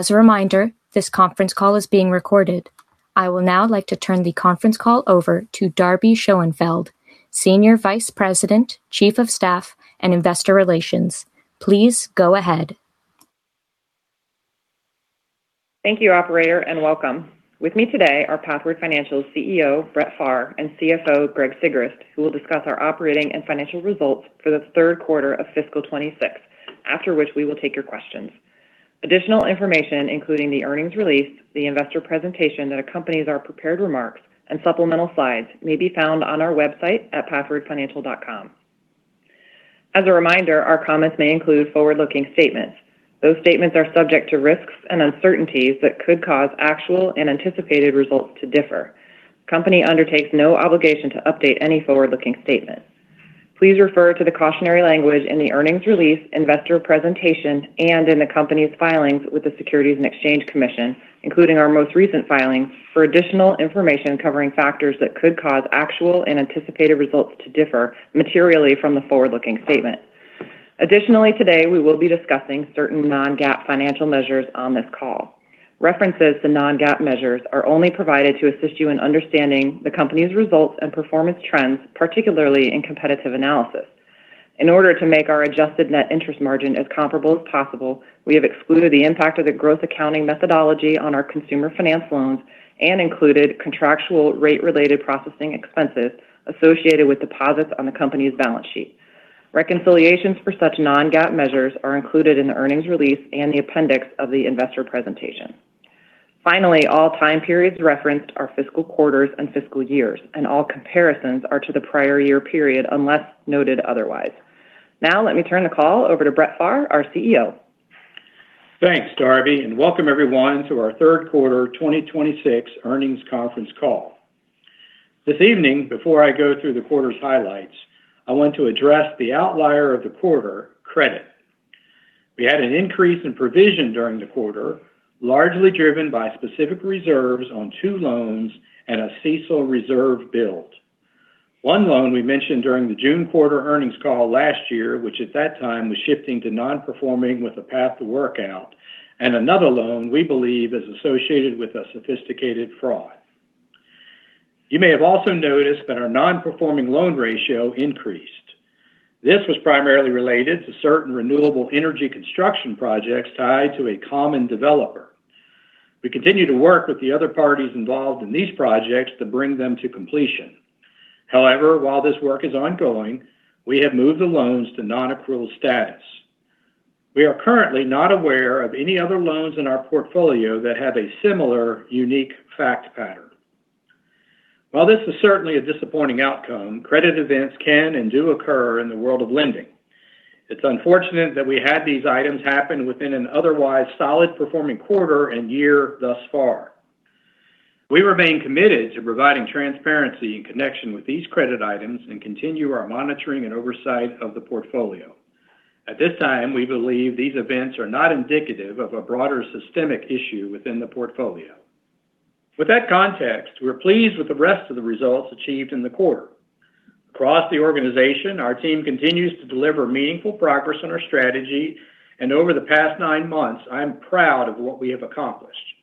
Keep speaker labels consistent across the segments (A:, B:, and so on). A: As a reminder, this conference call is being recorded. I will now like to turn the conference call over to Darby Schoenfeld, Senior Vice President, Chief of Staff, and Investor Relations. Please go ahead.
B: Thank you, operator, and welcome. With me today are Pathward Financial CEO Brett Pharr and CFO Greg Sigrist, who will discuss our operating and financial results for the third quarter of fiscal 2026, after which we will take your questions. Additional information, including the earnings release, the investor presentation that accompanies our prepared remarks, and supplemental slides may be found on our website at pathwardfinancial.com. As a reminder, our comments may include forward-looking statements. Those statements are subject to risks and uncertainties that could cause actual and anticipated results to differ. The company undertakes no obligation to update any forward-looking statement. Please refer to the cautionary language in the earnings release, investor presentation, and in the company's filings with the Securities and Exchange Commission, including our most recent filings for additional information covering factors that could cause actual and anticipated results to differ materially from the forward-looking statement. Additionally, today, we will be discussing certain non-GAAP financial measures on this call. References to non-GAAP measures are only provided to assist you in understanding the company's results and performance trends, particularly in competitive analysis. In order to make our adjusted net interest margin as comparable as possible, we have excluded the impact of the growth accounting methodology on our consumer finance loans and included contractual rate-related processing expenses associated with deposits on the company's balance sheet. Reconciliations for such non-GAAP measures are included in the earnings release and the appendix of the investor presentation. Finally, all time periods referenced are fiscal quarters and fiscal years, and all comparisons are to the prior year period, unless noted otherwise. Now let me turn the call over to Brett Pharr, our CEO.
C: Thanks, Darby, and welcome everyone to our third quarter 2026 earnings conference call. This evening, before I go through the quarter's highlights, I want to address the outlier of the quarter, credit. We had an increase in provision during the quarter, largely driven by specific reserves on two loans and a CECL reserve build. One loan we mentioned during the June quarter earnings call last year, which at that time was shifting to non-performing with a path to workout, and another loan we believe is associated with a sophisticated fraud. You may have also noticed that our non-performing loan ratio increased. This was primarily related to certain renewable energy construction projects tied to a common developer. We continue to work with the other parties involved in these projects to bring them to completion. However, while this work is ongoing, we have moved the loans to non-accrual status. We are currently not aware of any other loans in our portfolio that have a similar unique fact pattern. While this is certainly a disappointing outcome, credit events can and do occur in the world of lending. It's unfortunate that we had these items happen within an otherwise solid-performing quarter and year thus far. We remain committed to providing transparency in connection with these credit items and continue our monitoring and oversight of the portfolio. At this time, we believe these events are not indicative of a broader systemic issue within the portfolio. With that context, we're pleased with the rest of the results achieved in the quarter. Across the organization, our team continues to deliver meaningful progress on our strategy, and over the past nine months, I am proud of what we have accomplished.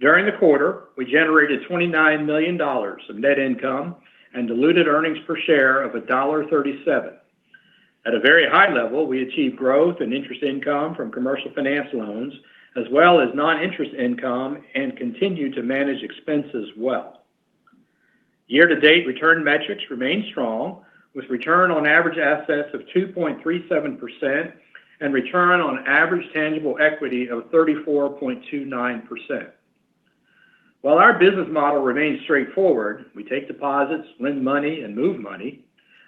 C: During the quarter, we generated $29 million of net income and diluted earnings per share of $1.37. At a very high level, we achieved growth and interest income from Commercial Finance loans, as well as non-interest income and continue to manage expenses well. Year-to-date return metrics remain strong, with return on average assets of 2.37% and return on average tangible equity of 34.29%. While our business model remains straightforward, we take deposits, lend money, and move money.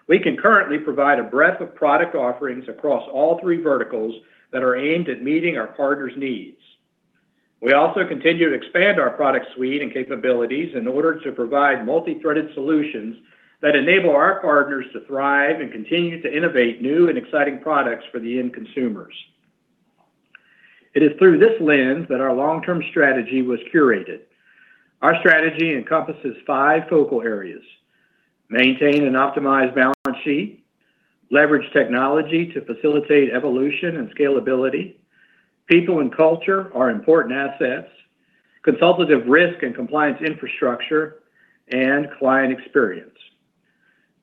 C: We can currently provide a breadth of product offerings across all three verticals that are aimed at meeting our partners' needs. We also continue to expand our product suite and capabilities in order to provide multi-threaded solutions that enable our partners to thrive and continue to innovate new and exciting products for the end consumers. It is through this lens that our long-term strategy was curated. Our strategy encompasses five focal areas: maintain an optimized balance sheet, leverage technology to facilitate evolution and scalability, people and culture, our important assets, consultative risk and compliance infrastructure, and client experience.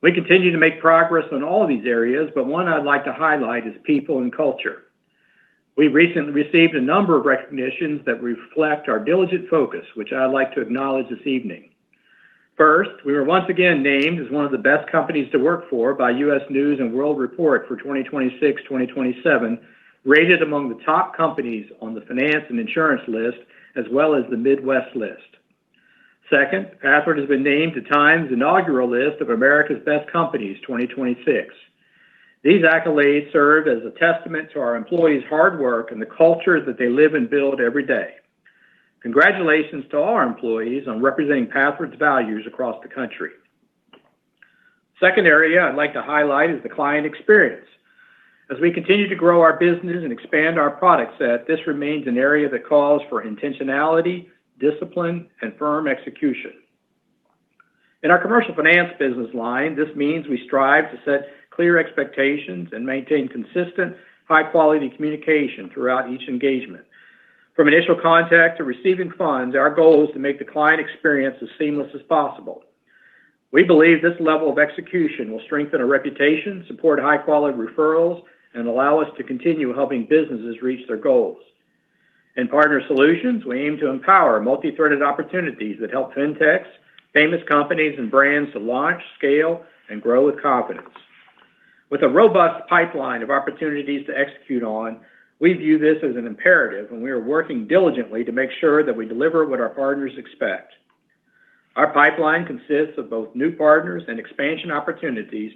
C: We continue to make progress on all of these areas, but one I'd like to highlight is people and culture. We recently received a number of recognitions that reflect our diligent focus, which I'd like to acknowledge this evening. First, we were once again named as one of the best companies to work for by U.S. News & World Report for 2026, 2027, rated among the top companies on the finance and insurance list, as well as the Midwest list. Second, Pathward has been named to TIME's inaugural list of America's Best Companies 2026. These accolades serve as a testament to our employees' hard work and the culture that they live and build every day. Congratulations to our employees on representing Pathward's values across the country. Second area I'd like to highlight is the client experience. As we continue to grow our business and expand our product set, this remains an area that calls for intentionality, discipline, and firm execution. In our Commercial Finance business line, this means we strive to set clear expectations and maintain consistent high-quality communication throughout each engagement. From initial contact to receiving funds, our goal is to make the client experience as seamless as possible. We believe this level of execution will strengthen our reputation, support high-quality referrals, and allow us to continue helping businesses reach their goals. In Partner Solutions, we aim to empower multi-threaded opportunities that help fintechs, famous companies, and brands to launch, scale, and grow with confidence. With a robust pipeline of opportunities to execute on, we view this as an imperative. We are working diligently to make sure that we deliver what our partners expect. Our pipeline consists of both new partners and expansion opportunities.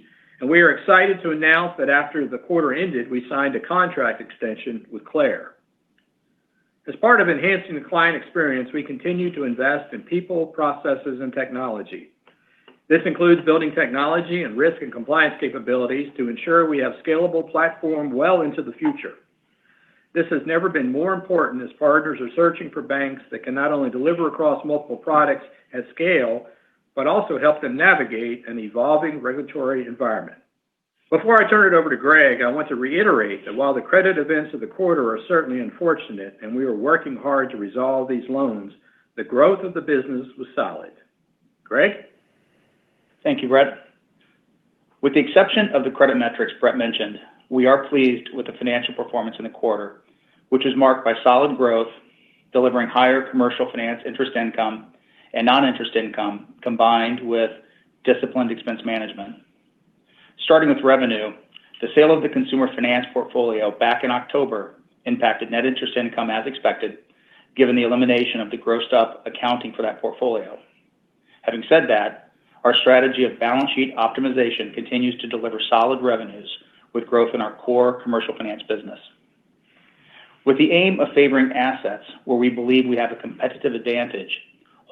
C: We are excited to announce that after the quarter ended, we signed a contract extension with Clair. As part of enhancing the client experience, we continue to invest in people, processes, and technology. This includes building technology and risk and compliance capabilities to ensure we have scalable platform well into the future. This has never been more important as partners are searching for banks that can not only deliver across multiple products at scale, but also help them navigate an evolving regulatory environment. Before I turn it over to Greg, I want to reiterate that while the credit events of the quarter are certainly unfortunate. We are working hard to resolve these loans, the growth of the business was solid. Greg?
D: Thank you, Brett. With the exception of the credit metrics Brett mentioned, we are pleased with the financial performance in the quarter, which is marked by solid growth, delivering higher Commercial Finance interest income and non-interest income combined with disciplined expense management. Starting with revenue, the sale of the consumer finance portfolio back in October impacted net interest income as expected, given the elimination of the grossed-up accounting for that portfolio. Having said that, our strategy of balance sheet optimization continues to deliver solid revenues with growth in our core Commercial Finance business. With the aim of favoring assets where we believe we have a competitive advantage,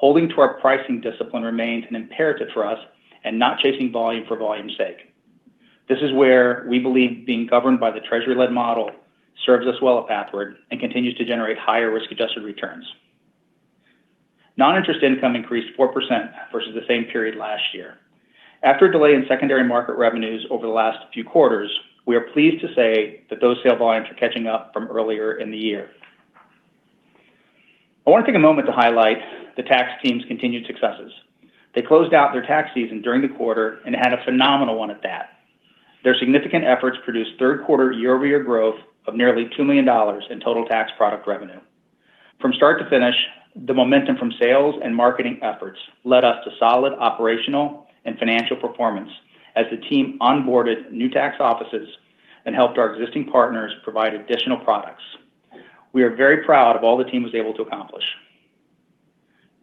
D: holding to our pricing discipline remains an imperative for us and not chasing volume for volume's sake. This is where we believe being governed by the treasury-led model serves us well at Pathward and continues to generate higher risk-adjusted returns. Non-interest income increased 4% versus the same period last year. After a delay in secondary market revenues over the last few quarters, we are pleased to say that those sale volumes are catching up from earlier in the year. I want to take a moment to highlight the tax team's continued successes. They closed out their tax season during the quarter and had a phenomenal one at that. Their significant efforts produced third quarter year-over-year growth of nearly $2 million in total tax product revenue. From start to finish, the momentum from sales and marketing efforts led us to solid operational and financial performance as the team onboarded new tax offices and helped our existing partners provide additional products. We are very proud of all the team was able to accomplish.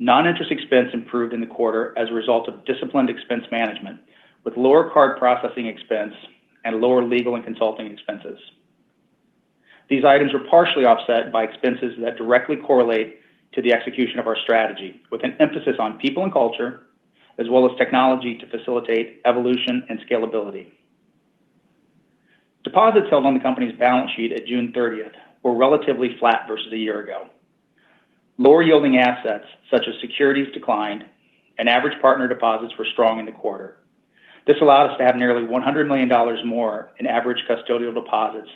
D: Non-interest expense improved in the quarter as a result of disciplined expense management with lower card processing expense and lower legal and consulting expenses. These items were partially offset by expenses that directly correlate to the execution of our strategy with an emphasis on people and culture as well as technology to facilitate evolution and scalability. Deposits held on the company's balance sheet at June 30th were relatively flat versus a year ago. Lower yielding assets, such as securities declined and average Partner Solutions deposits were strong in the quarter. This allowed us to have nearly $100 million more in average custodial deposits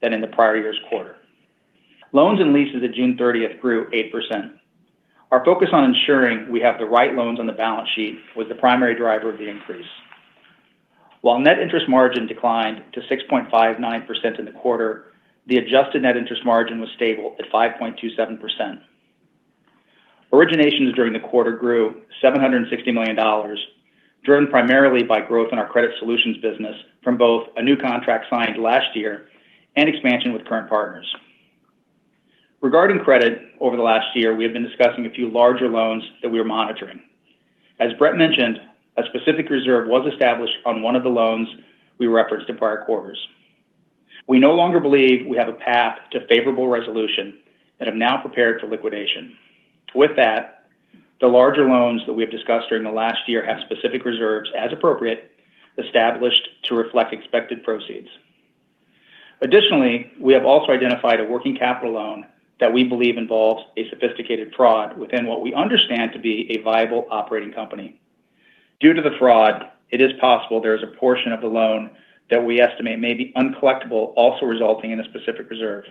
D: than in the prior year's quarter. Loans and leases at June 30th grew 8%. Our focus on ensuring we have the right loans on the balance sheet was the primary driver of the increase. While net interest margin declined to 6.59% in the quarter, the adjusted net interest margin was stable at 5.27%. Originations during the quarter grew $760 million, driven primarily by growth in our Credit Solutions business from both a new contract signed last year and expansion with current partners. Regarding credit, over the last year, we have been discussing a few larger loans that we are monitoring. As Brett mentioned, a specific reserve was established on one of the loans we referenced in prior quarters. We no longer believe we have a path to favorable resolution and have now prepared for liquidation. With that, the larger loans that we have discussed during the last year have specific reserves as appropriate established to reflect expected proceeds. Additionally, we have also identified a working capital loan that we believe involves a sophisticated fraud within what we understand to be a viable operating company. Due to the fraud, it is possible there is a portion of the loan that we estimate may be uncollectible also resulting in a specific reserve.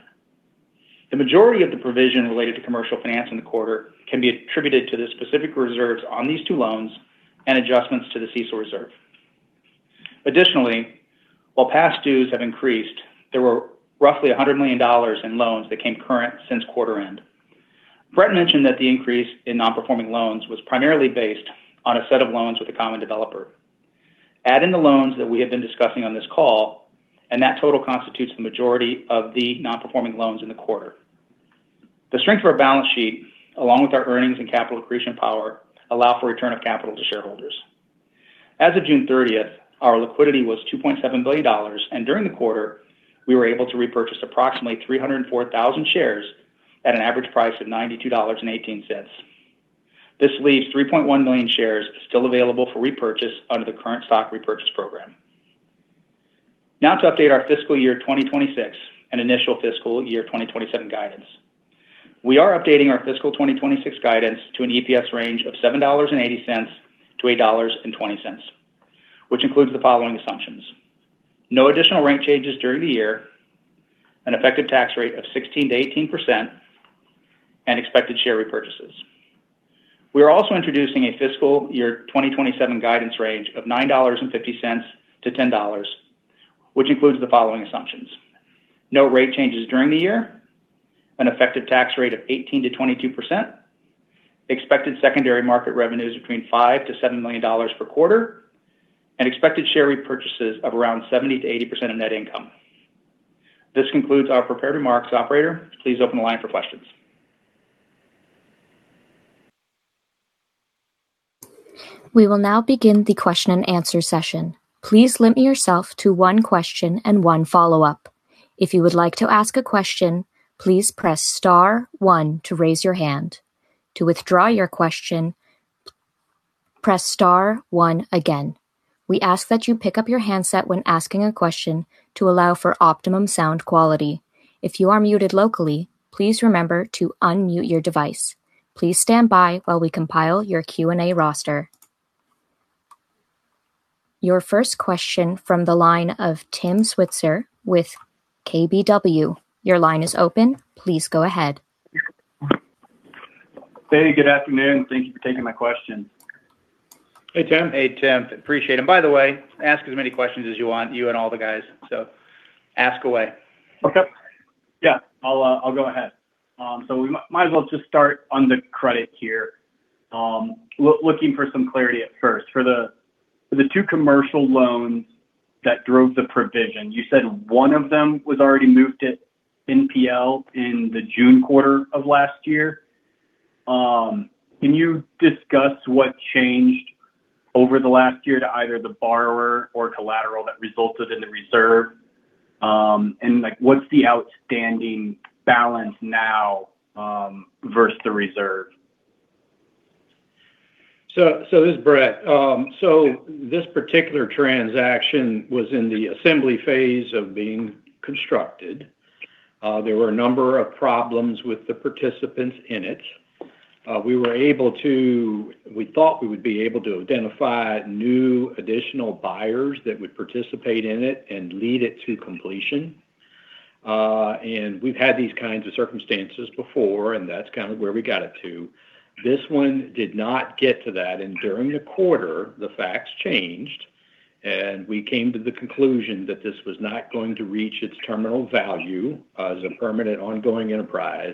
D: The majority of the provision related to Commercial Finance in the quarter can be attributed to the specific reserves on these two loans and adjustments to the CECL reserve. Additionally, while past dues have increased, there were roughly $100 million in loans that came current since quarter end. Brett mentioned that the increase in non-performing loans was primarily based on a set of loans with a common developer. Add in the loans that we have been discussing on this call, and that total constitutes the majority of the non-performing loans in the quarter. The strength of our balance sheet, along with our earnings and capital accretion power, allow for return of capital to shareholders. As of June 30th, our liquidity was $2.7 billion, and during the quarter, we were able to repurchase approximately 304,000 shares at an average price of $92.18. This leaves 3.1 million shares still available for repurchase under the current stock repurchase program. Now to update our fiscal year 2026 and initial fiscal year 2027 guidance. We are updating our fiscal 2026 guidance to an EPS range of $7.80-$8.20, which includes the following assumptions: No additional rank changes during the year, an effective tax rate of 16%-18%, and expected share repurchases. We are also introducing a fiscal year 2027 guidance range of $9.50-$10, which includes the following assumptions: No rate changes during the year, an effective tax rate of 18%-22%, expected secondary market revenues between $5 million-$7 million per quarter, and expected share repurchases of around 70%-80% of net income. This concludes our prepared remarks. Operator, please open the line for questions.
A: We will now begin the question-and-answer session. Please limit yourself to one question and one follow-up. If you would like to ask a question, please press star one to raise your hand. To withdraw your question, press star one again. We ask that you pick up your handset when asking a question to allow for optimum sound quality. If you are muted locally, please remember to unmute your device. Please stand by while we compile your Q&A roster. Your first question from the line of Tim Switzer with KBW. Your line is open. Please go ahead.
E: Hey, good afternoon. Thank you for taking my question.
C: Hey, Tim.
D: Hey, Tim. Appreciate it. By the way, ask as many questions as you want, you and all the guys, ask away.
E: Okay. Yeah, I'll go ahead. We might as well just start on the credit here. Looking for some clarity at first. For the two commercial loans that drove the provision, you said one of them was already moved to NPL in the June quarter of last year. Can you discuss what changed over the last year to either the borrower or collateral that resulted in the reserve? What's the outstanding balance now versus the reserve?
C: This is Brett. This particular transaction was in the assembly phase of being constructed. There were a number of problems with the participants in it. We thought we would be able to identify new additional buyers that would participate in it and lead it to completion. We've had these kinds of circumstances before, and that's kind of where we got it to. This one did not get to that, during the quarter, the facts changed, and we came to the conclusion that this was not going to reach its terminal value as a permanent ongoing enterprise,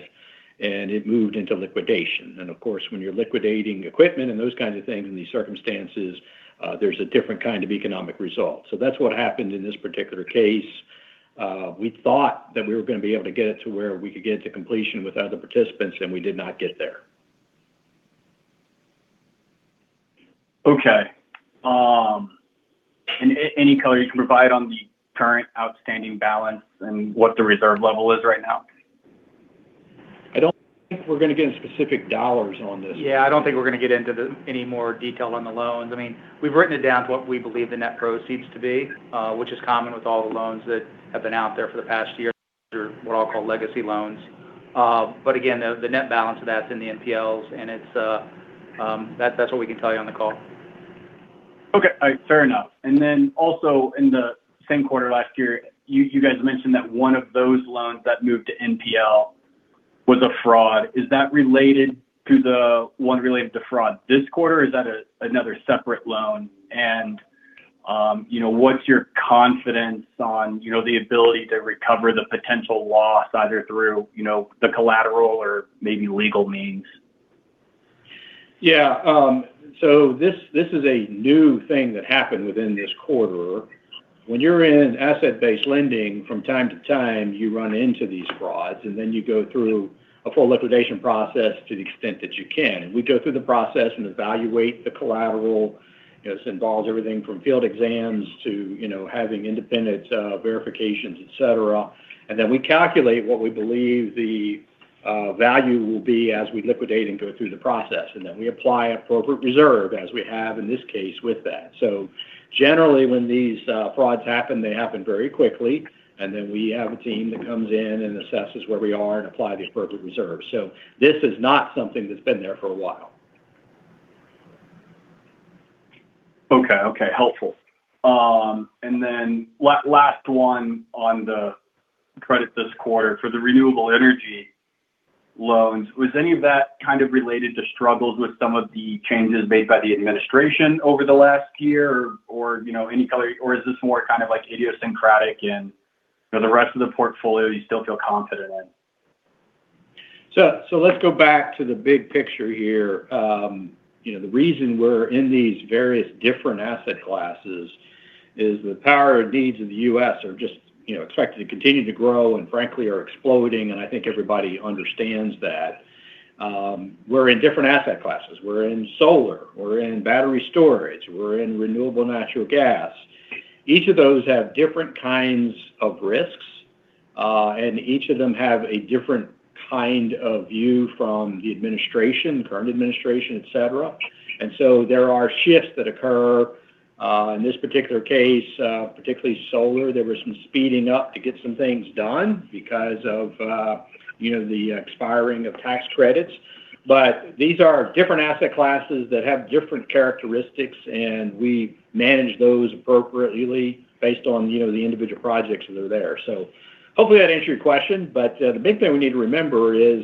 C: and it moved into liquidation. Of course, when you're liquidating equipment and those kinds of things in these circumstances, there's a different kind of economic result. That's what happened in this particular case. We thought that we were going to be able to get it to where we could get it to completion with other participants, we did not get there.
E: Okay. Any color you can provide on the current outstanding balance and what the reserve level is right now?
C: I don't think we're going to get into specific dollars on this.
D: Yeah, I don't think we're going to get into any more detail on the loans. We've written it down to what we believe the net proceeds to be, which is common with all the loans that have been out there for the past year, what I'll call legacy loans. Again, the net balance of that's in the NPLs, and that's what we can tell you on the call.
E: Okay. Fair enough. Also in the same quarter last year, you guys mentioned that one of those loans that moved to NPL was a fraud. Is that related to the one related to fraud this quarter, or is that another separate loan? What's your confidence on the ability to recover the potential loss either through the collateral or maybe legal means?
C: This is a new thing that happened within this quarter. When you're in asset-based lending, from time to time, you run into these frauds, and then you go through a full liquidation process to the extent that you can. We go through the process and evaluate the collateral. This involves everything from field exams to having independent verifications, etc. We calculate what we believe the value will be as we liquidate and go through the process. We apply appropriate reserve as we have in this case with that. Generally, when these frauds happen, they happen very quickly, and then we have a team that comes in and assesses where we are and apply the appropriate reserve. This is not something that's been there for a while.
E: Helpful. Last one on the credit this quarter for the renewable energy loans. Was any of that kind of related to struggles with some of the changes made by the administration over the last year? Is this more kind of like idiosyncratic in the rest of the portfolio you still feel confident in?
C: Let's go back to the big picture here. The reason we're in these various different asset classes is the power needs of the U.S. are just expected to continue to grow and frankly are exploding, and I think everybody understands that. We're in different asset classes. We're in solar. We're in battery storage. We're in renewable natural gas. Each of those have different kinds of risks Each of them have a different kind of view from the current administration, etc. There are shifts that occur. In this particular case, particularly solar, there was some speeding up to get some things done because of the expiring of tax credits. These are different asset classes that have different characteristics, and we manage those appropriately based on the individual projects that are there. Hopefully that answered your question. The big thing we need to remember is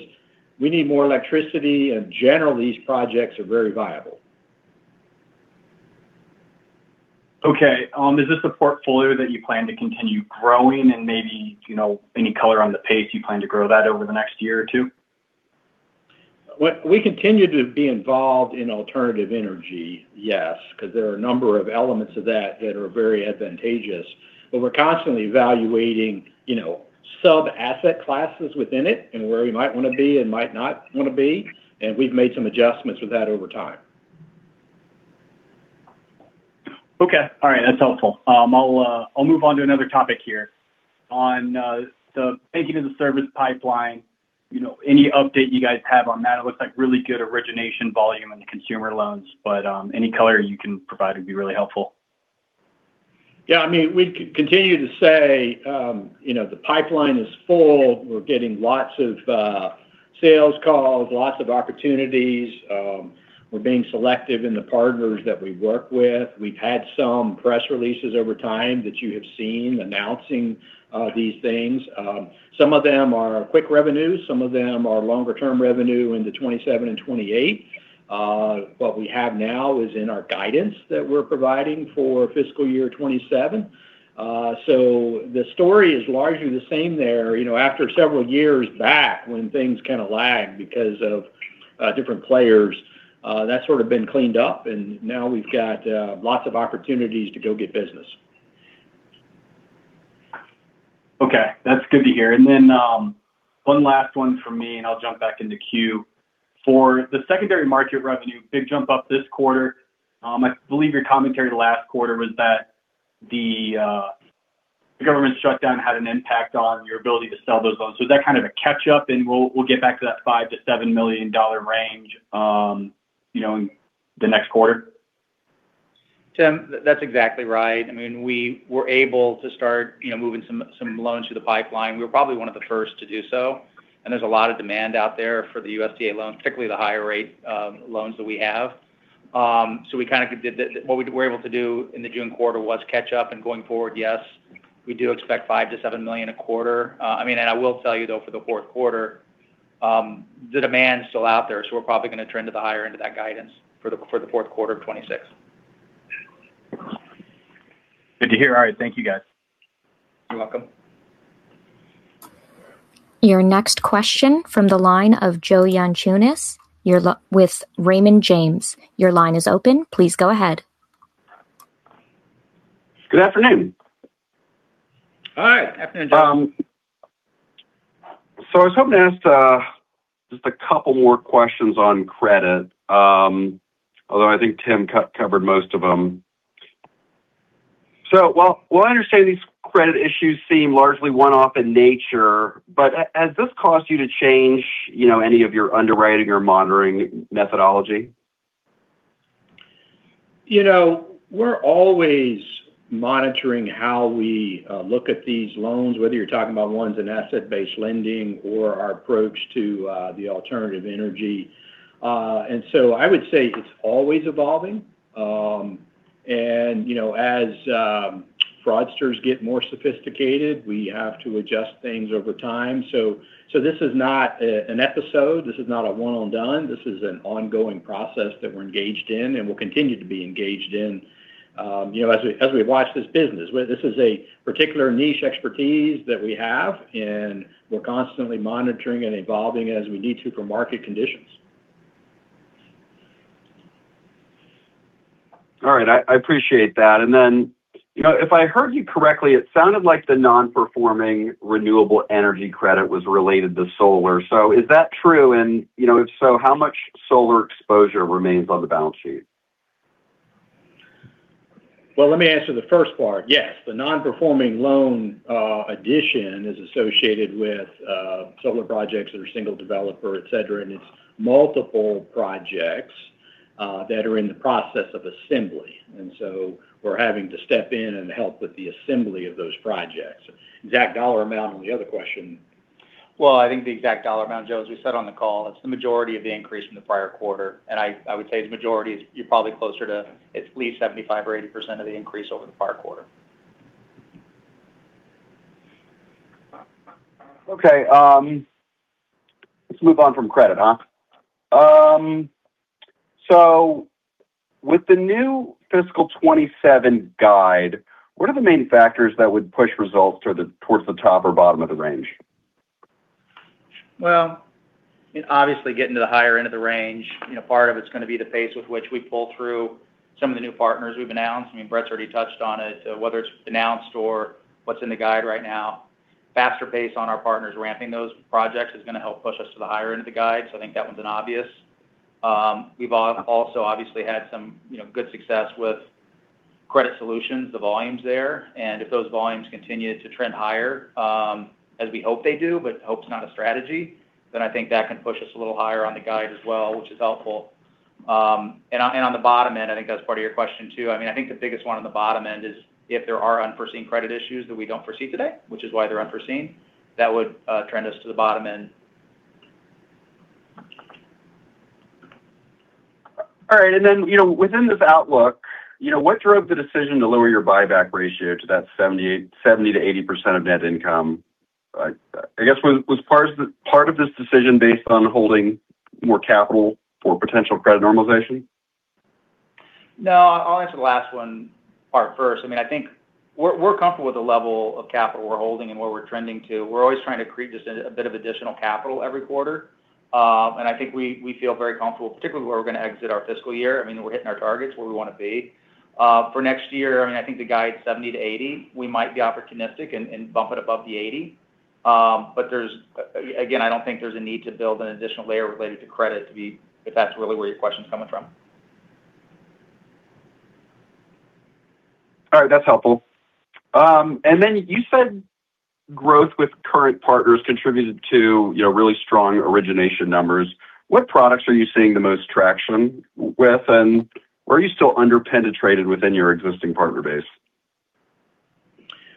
C: we need more electricity, and generally, these projects are very viable.
E: Okay. Is this a portfolio that you plan to continue growing? Maybe any color on the pace you plan to grow that over the next year or two?
C: We continue to be involved in alternative energy, yes, because there are a number of elements of that that are very advantageous. We're constantly evaluating sub-asset classes within it and where we might want to be and might not want to be, we've made some adjustments with that over time.
E: Okay. All right. That's helpful. I'll move on to another topic here on the banking-as-a-service pipeline. Any update you guys have on that? It looks like really good origination volume in the consumer loans, any color you can provide would be really helpful.
C: Yeah, we continue to say the pipeline is full. We're getting lots of sales calls, lots of opportunities. We're being selective in the partners that we work with. We've had some press releases over time that you have seen announcing these things. Some of them are quick revenue, some of them are longer-term revenue into 2027 and 2028. What we have now is in our guidance that we're providing for fiscal year 2027. The story is largely the same there. After several years back when things kind of lagged because of different players, that's sort of been cleaned up, now we've got lots of opportunities to go get business.
E: Okay. That's good to hear. One last one from me, and I'll jump back into queue. For the secondary market revenue, big jump up this quarter. I believe your commentary last quarter was that the government shutdown had an impact on your ability to sell those loans. Is that kind of a catch-up, and we'll get back to that $5 million-$7 million range in the next quarter?
D: Tim, that's exactly right. We were able to start moving some loans through the pipeline. We were probably one of the first to do so, and there's a lot of demand out there for the USDA loans, particularly the higher rate loans that we have. What we were able to do in the June quarter was catch up. Going forward, yes, we do expect $5 million-$7 million a quarter. I will tell you though, for the fourth quarter, the demand's still out there, we're probably going to trend to the higher end of that guidance for the fourth quarter of 2026.
E: Good to hear. All right. Thank you guys.
D: You're welcome.
A: Your next question from the line of Joe Yanchunis with Raymond James. Your line is open. Please go ahead.
F: Good afternoon.
C: Hi.
D: Afternoon, Joe.
F: I was hoping to ask just a couple more questions on credit, although I think Tim covered most of them. While I understand these credit issues seem largely one-off in nature, but has this caused you to change any of your underwriting or monitoring methodology?
C: We're always monitoring how we look at these loans, whether you're talking about ones in asset-based lending or our approach to the alternative energy. I would say it's always evolving. As fraudsters get more sophisticated, we have to adjust things over time. This is not an episode. This is not a one and done. This is an ongoing process that we're engaged in and will continue to be engaged in as we watch this business. This is a particular niche expertise that we have, and we're constantly monitoring and evolving as we need to for market conditions.
F: All right. I appreciate that. If I heard you correctly, it sounded like the non-performing renewable energy credit was related to solar. Is that true? If so, how much solar exposure remains on the balance sheet?
C: Well, let me answer the first part. Yes, the non-performing loan addition is associated with solar projects that are single developer, et cetera, and it's multiple projects that are in the process of assembly. We're having to step in and help with the assembly of those projects. Exact dollar amount on the other question.
D: Well, I think the exact dollar amount, Joe, as we said on the call, it's the majority of the increase from the prior quarter. I would say the majority is you're probably closer to at least 75% or 80% of the increase over the prior quarter.
F: Okay. Let's move on from credit, huh? With the new fiscal 2027 guide, what are the main factors that would push results towards the top or bottom of the range?
D: Well, obviously getting to the higher end of the range, part of it's going to be the pace with which we pull through some of the new partners we've announced. Brett's already touched on it. Whether it's announced or what's in the guide right now, faster pace on our partners ramping those projects is going to help push us to the higher end of the guide. I think that one's an obvious. We've also obviously had some good success with Credit Solutions, the volumes there. If those volumes continue to trend higher, as we hope they do, but hope's not a strategy, I think that can push us a little higher on the guide as well, which is helpful. On the bottom end, I think that's part of your question too. I think the biggest one on the bottom end is if there are unforeseen credit issues that we don't foresee today, which is why they're unforeseen, that would trend us to the bottom end.
F: All right, within this outlook, what drove the decision to lower your buyback ratio to that 70%-80% of net income? I guess, was part of this decision based on holding more capital for potential credit normalization?
D: No. I'll answer the last one part first. I think we're comfortable with the level of capital we're holding and where we're trending to. We're always trying to create just a bit of additional capital every quarter. I think we feel very comfortable, particularly where we're going to exit our fiscal year. We're hitting our targets where we want to be. For next year, I think the guide's 70-80. We might be opportunistic and bump it above the 80. Again, I don't think there's a need to build an additional layer related to credit if that's really where your question's coming from.
F: All right. That's helpful. You said growth with current partners contributed to really strong origination numbers. What products are you seeing the most traction with? Where are you still under-penetrated within your existing partner base?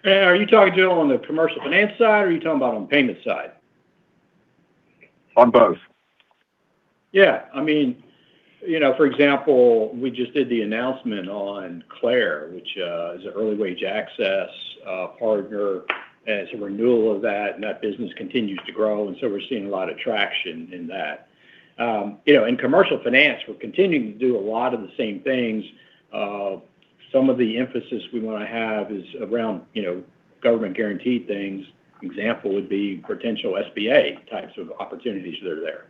C: Are you talking, Joe, on the Commercial Finance side, or are you talking about on payment side?
F: On both.
C: Yeah. For example, we just did the announcement on Clair, which is an early wage access partner as a renewal of that business continues to grow. We're seeing a lot of traction in that. In Commercial Finance, we're continuing to do a lot of the same things. Some of the emphasis we want to have is around government-guaranteed things. Example would be potential SBA types of opportunities that are there.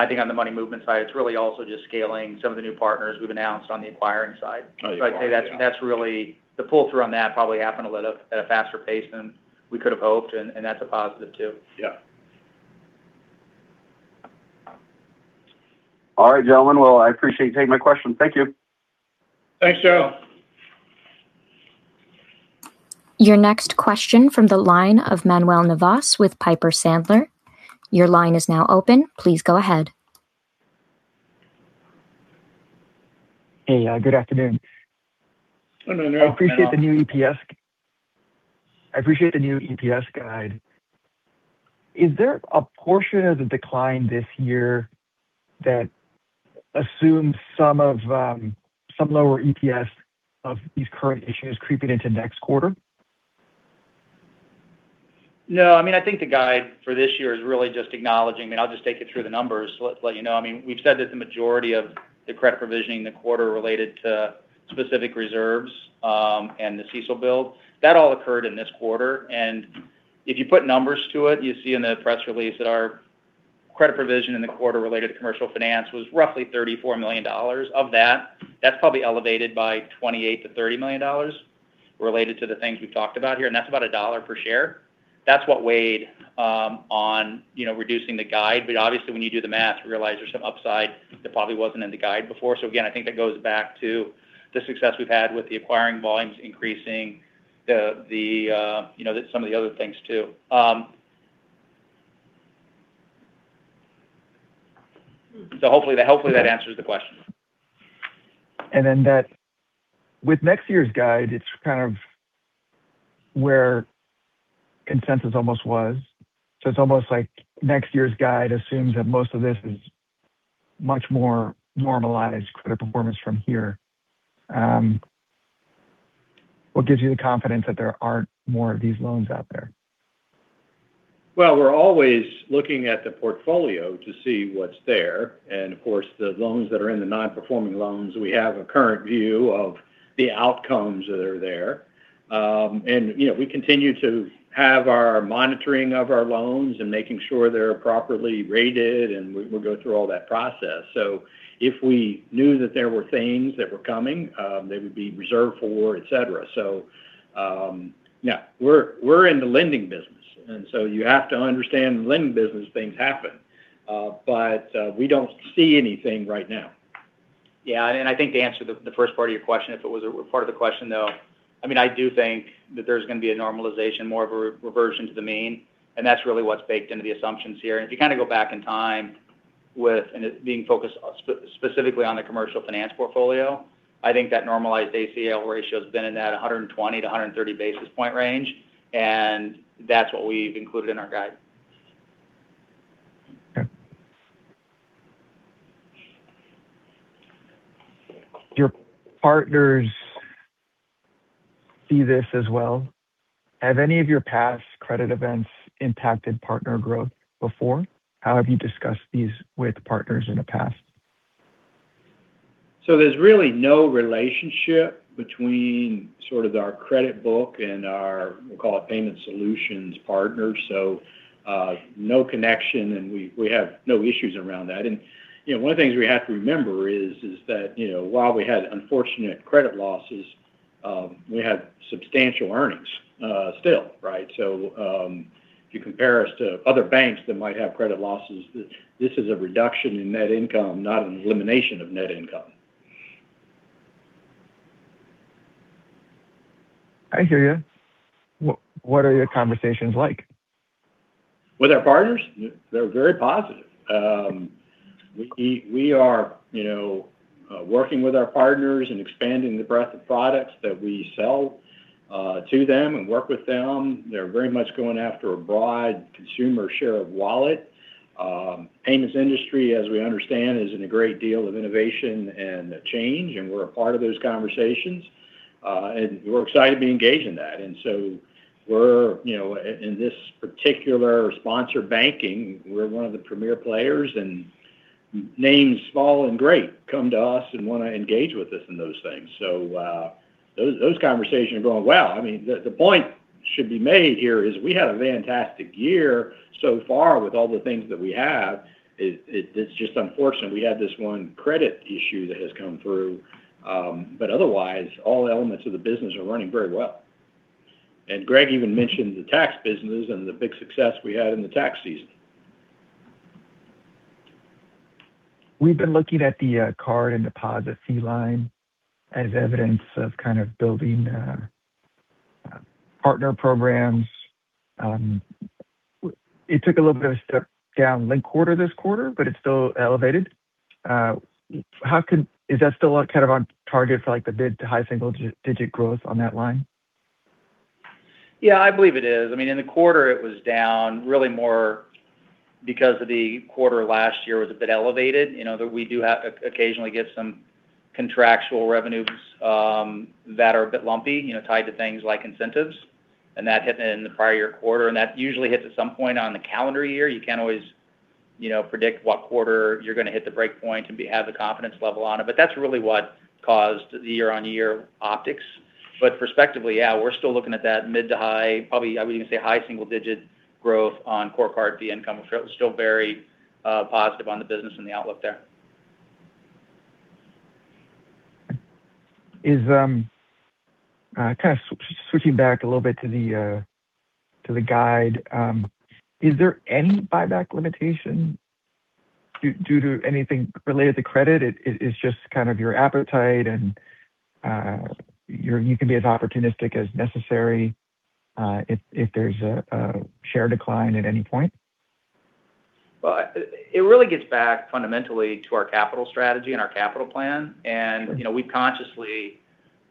D: I think on the money movement side, it's really also just scaling some of the new partners we've announced on the acquiring side.
F: Okay.
D: I'd say that's really the pull-through on that probably happened at a faster pace than we could've hoped, and that's a positive too.
C: Yeah.
F: All right, gentlemen. Well, I appreciate you taking my question. Thank you.
C: Thanks, Joe.
A: Your next question from the line of Manuel Navas with Piper Sandler. Your line is now open. Please go ahead.
G: Hey. Good afternoon.
C: Good afternoon, Manuel.
G: I appreciate the new EPS guide. Is there a portion of the decline this year that assumes some lower EPS of these current issues creeping into next quarter?
D: No. I think the guide for this year is really just acknowledging. I'll just take you through the numbers, let you know. We've said that the majority of the credit provisioning in the quarter related to specific reserves, and the CECL build. That all occurred in this quarter, and if you put numbers to it, you see in the press release that our credit provision in the quarter related to Commercial Finance was roughly $34 million. Of that's probably elevated by $28 million-$30 million related to the things we've talked about here, and that's about $1 per share. That's what weighed on reducing the guide. Obviously, when you do the math, you realize there's some upside that probably wasn't in the guide before. Again, I think that goes back to the success we've had with the acquiring volumes increasing some of the other things too. Hopefully that answers the question.
G: Then that with next year's guide, it's kind of where consensus almost was. It's almost like next year's guide assumes that most of this is much more normalized credit performance from here. What gives you the confidence that there aren't more of these loans out there?
C: Well, we're always looking at the portfolio to see what's there, of course, the loans that are in the non-performing loans, we have a current view of the outcomes that are there. We continue to have our monitoring of our loans and making sure they're properly rated, and we'll go through all that process. If we knew that there were things that were coming, they would be reserved for, et cetera. No. We're in the lending business, you have to understand in the lending business, things happen. We don't see anything right now.
D: Yeah. I think to answer the first part of your question, if it was a part of the question, though. I do think that there's going to be a normalization, more of a reversion to the mean, and that's really what's baked into the assumptions here. If you kind of go back in time with, it being focused specifically on the Commercial Finance portfolio, I think that normalized ACL ratio's been in that 120 basis points-130 basis point range, that's what we've included in our guide.
G: Okay. Do your partners see this as well? Have any of your past credit events impacted partner growth before? How have you discussed these with partners in the past?
C: There's really no relationship between sort of our credit book and our, we'll call it payment solutions partners. No connection, we have no issues around that. One of the things we have to remember is that while we had unfortunate credit losses, we had substantial earnings still, right? If you compare us to other banks that might have credit losses, this is a reduction in net income, not an elimination of net income.
G: I hear you. What are your conversations like?
C: With our partners? They're very positive. We are working with our partners and expanding the breadth of products that we sell to them and work with them. They're very much going after a broad consumer share of wallet. Payments industry, as we understand, is in a great deal of innovation and change. We're a part of those conversations. We're excited to be engaged in that. In this particular sponsored banking, we're one of the premier players, and names small and great come to us and want to engage with us in those things. Those conversations are going well. The point should be made here is we had a fantastic year so far with all the things that we have. It's just unfortunate we had this one credit issue that has come through. Otherwise, all elements of the business are running very well. Greg even mentioned the tax business and the big success we had in the tax season.
G: We've been looking at the card and deposit fee line as evidence of kind of building partner programs. It took a little bit of a step down linked quarter this quarter, but it's still elevated. Is that still kind of on target for the mid to high single digit growth on that line?
D: Yeah, I believe it is. In the quarter, it was down really more because of the quarter last year was a bit elevated. We do occasionally get some contractual revenues that are a bit lumpy, tied to things like incentives. That hit in the prior year quarter, and that usually hits at some point on the calendar year. You can't always predict what quarter you're going to hit the break point and have the confidence level on it. That's really what caused the year-on-year optics. Prospectively, yeah, we're still looking at that mid to high, probably I would even say high single-digit growth on core card fee income. We're still very positive on the business and the outlook there.
G: Kind of switching back a little bit to the guide. Is there any buyback limitation due to anything related to credit? It's just kind of your appetite and you can be as opportunistic as necessary if there's a share decline at any point?
D: Well, it really gets back fundamentally to our capital strategy and our capital plan. We've consciously,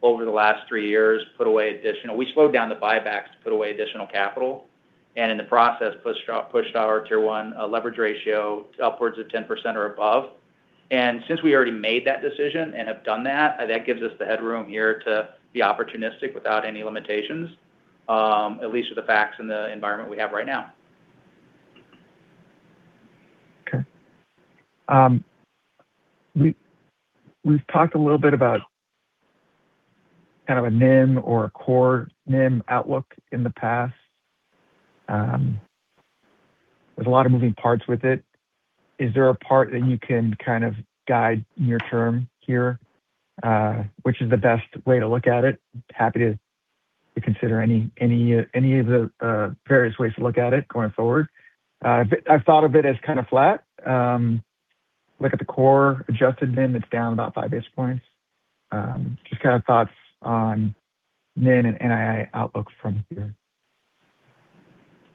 D: over the last three years, slowed down the buybacks to put away additional capital and in the process pushed our Tier 1 leverage ratio upwards of 10% or above. Since we already made that decision and have done that gives us the headroom here to be opportunistic without any limitations, at least with the facts and the environment we have right now.
G: Okay. We've talked a little bit about kind of a NIM or a core NIM outlook in the past. There's a lot of moving parts with it. Is there a part that you can kind of guide near term here? Which is the best way to look at it? Happy to consider any of the various ways to look at it going forward. I've thought of it as kind of flat. Look at the core adjusted NIM, it's down about five basis points. Just kind of thoughts on NIM and NII outlooks from here.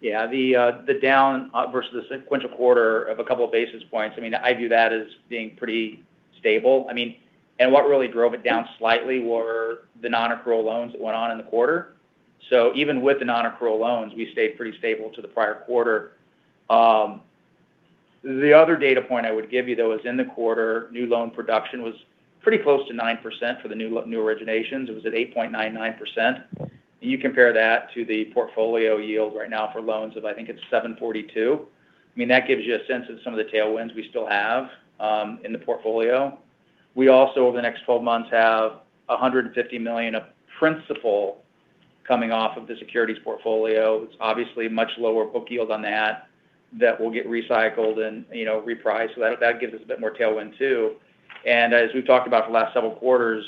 D: Yeah. The down versus the sequential quarter of a couple of basis points, I view that as being pretty stable. What really drove it down slightly were the non-accrual loans that went on in the quarter. Even with the non-accrual loans, we stayed pretty stable to the prior quarter. The other data point I would give you, though, is in the quarter, new loan production was pretty close to 9% for the new originations. It was at 8.99%. You compare that to the portfolio yield right now for loans of, I think it's 7.42%. That gives you a sense of some of the tailwinds we still have in the portfolio. We also, over the next 12 months, have $150 million of principal coming off of the securities portfolio. It's obviously a much lower book yield on that will get recycled and repriced. That gives us a bit more tailwind, too. As we've talked about for the last several quarters,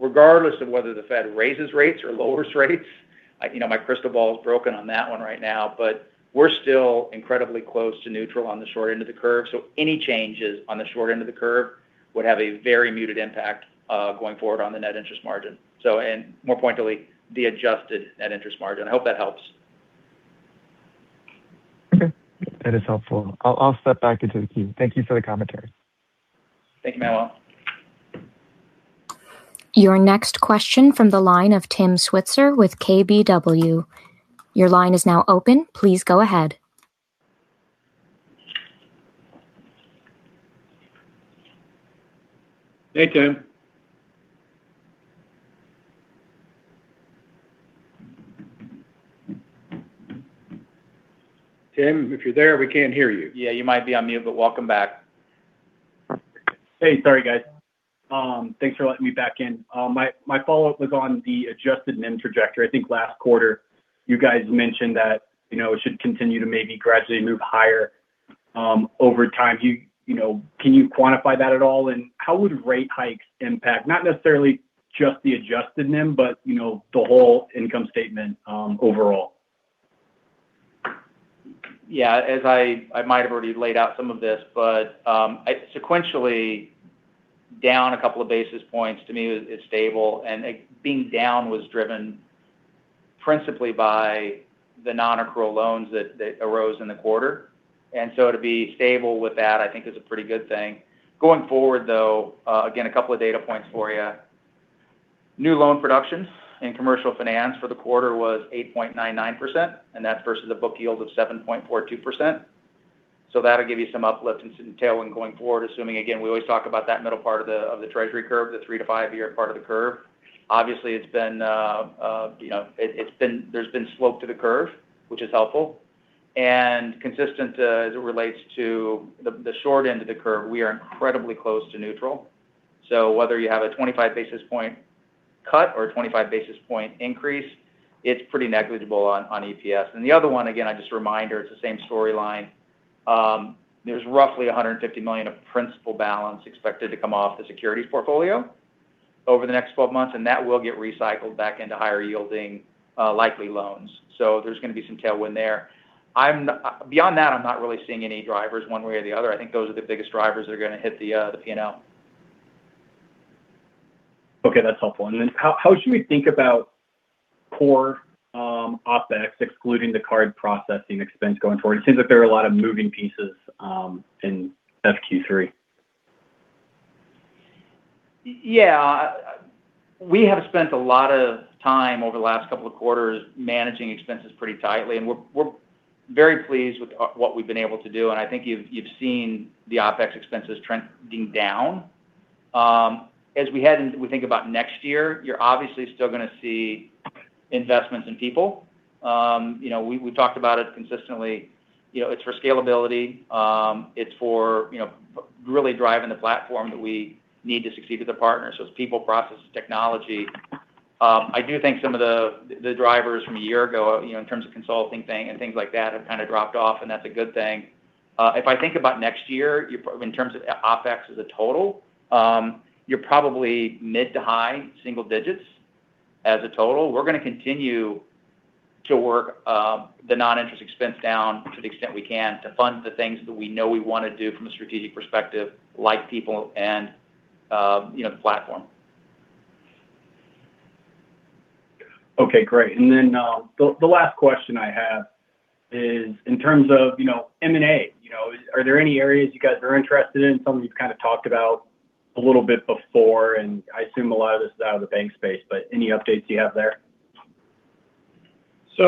D: regardless of whether the Fed raises rates or lowers rates, my crystal ball is broken on that one right now, but we're still incredibly close to neutral on the short end of the curve. Any changes on the short end of the curve would have a very muted impact going forward on the net interest margin. More pointedly, the adjusted net interest margin. I hope that helps.
G: Okay. That is helpful. I'll step back into the queue. Thank you for the commentary.
D: Thank you, Manuel.
A: Your next question from the line of Tim Switzer with KBW. Your line is now open. Please go ahead.
C: Hey, Tim. Tim, if you're there, we can't hear you.
D: Yeah, you might be on mute, but welcome back.
E: Hey. Sorry, guys. Thanks for letting me back in. My follow-up was on the adjusted NIM trajectory. I think last quarter you guys mentioned that it should continue to maybe gradually move higher over time, can you quantify that at all? How would rate hikes impact, not necessarily just the adjusted NIM, but the whole income statement overall?
D: I might have already laid out some of this, sequentially down a couple basis points to me is stable. Being down was driven principally by the non-accrual loans that arose in the quarter. To be stable with that, I think is a pretty good thing. Going forward, though, again, a couple data points for you. New loan production in Commercial Finance for the quarter was 8.99%, that's versus a book yield of 7.42%. That'll give you some uplift and some tailwind going forward, assuming, again, we always talk about that middle part of the Treasury curve, the three- to five-year part of the curve. Obviously, there's been slope to the curve, which is helpful. Consistent as it relates to the short end of the curve, we are incredibly close to neutral. Whether you have a 25 basis point cut or a 25 basis point increase, it's pretty negligible on EPS. The other one, again, just a reminder, it's the same storyline. There's roughly $150 million of principal balance expected to come off the securities portfolio over the next 12 months, that will get recycled back into higher yielding likely loans. There's going to be some tailwind there. Beyond that, I'm not really seeing any drivers one way or the other. I think those are the biggest drivers that are going to hit the P&L.
E: Okay, that's helpful. How should we think about core OpEx excluding the card processing expense going forward? It seems like there are a lot of moving pieces in FQ3.
D: Yeah. We have spent a lot of time over the last couple quarters managing expenses pretty tightly, we're very pleased with what we've been able to do. I think you've seen the OpEx expenses trending down. We think about next year, you're obviously still going to see investments in people. We've talked about it consistently. It's for scalability. It's for really driving the platform that we need to succeed with the partners. It's people, processes, technology. I do think some of the drivers from a year ago, in terms of consulting and things like that, have kind of dropped off, that's a good thing. If I think about next year in terms of OpEx as a total, you're probably mid to high single digits as a total. We're going to continue to work the non-interest expense down to the extent we can to fund the things that we know we want to do from a strategic perspective, like people and the platform.
E: Okay, great. The last question I have is in terms of M&A. Are there any areas you guys are interested in? Some of you've kind of talked about a little bit before, and I assume a lot of this is out of the bank space, but any updates you have there?
C: We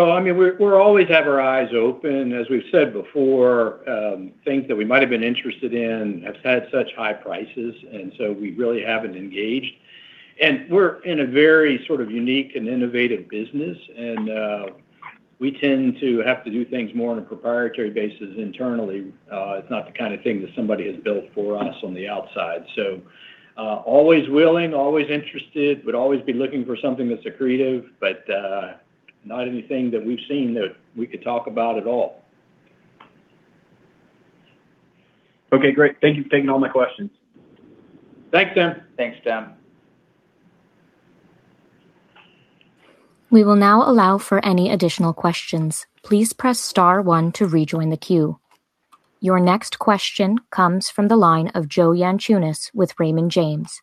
C: always have our eyes open. As we've said before, things that we might have been interested in have had such high prices, we really haven't engaged. We're in a very sort of unique and innovative business, and we tend to have to do things more on a proprietary basis internally. It's not the kind of thing that somebody has built for us on the outside. Always willing, always interested, would always be looking for something that's accretive, but not anything that we've seen that we could talk about at all.
E: Okay, great. Thank you for taking all my questions.
C: Thanks, Tim.
D: Thanks, Tim.
A: We will now allow for any additional questions. Please press star one to rejoin the queue. Your next question comes from the line of Joe Yanchunis with Raymond James.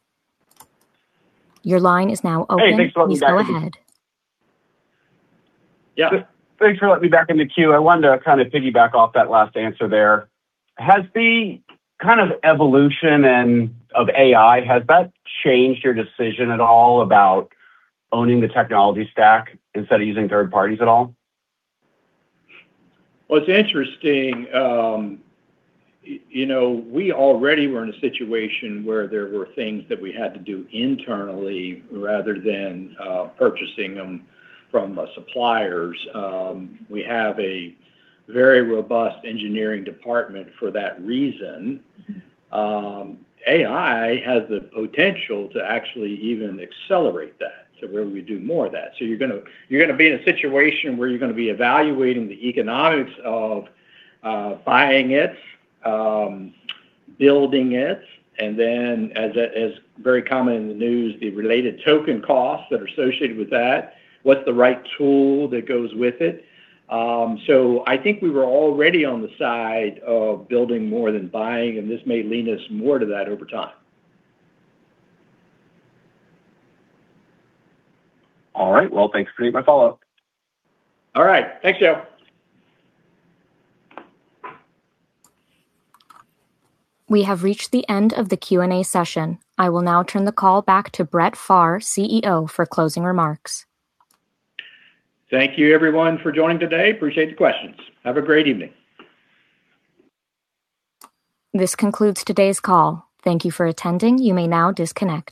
A: Your line is now open.
F: Hey, thanks for letting me back in.
A: Please go ahead.
D: Yeah.
F: Thanks for letting me back in the queue. I wanted to kind of piggyback off that last answer there. Has the kind of evolution of AI, has that changed your decision at all about owning the technology stack instead of using third parties at all?
C: Well, it's interesting. We already were in a situation where there were things that we had to do internally rather than purchasing them from suppliers. We have a very robust engineering department for that reason. AI has the potential to actually even accelerate that, so where we do more of that. You're going to be in a situation where you're going to be evaluating the economics of buying it, building it, and then as very common in the news, the related token costs that are associated with that. What's the right tool that goes with it? I think we were already on the side of building more than buying, and this may lean us more to that over time.
F: All right. Well, thanks for taking my follow-up.
C: All right. Thanks, Joe.
A: We have reached the end of the Q&A session. I will now turn the call back to Brett Pharr, CEO, for closing remarks.
C: Thank you everyone for joining today. Appreciate the questions. Have a great evening.
A: This concludes today's call. Thank you for attending. You may now disconnect.